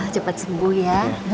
cepet sembuh ya